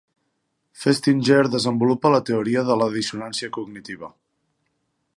Festinger desenvolupa la teoria de la dissonància cognitiva.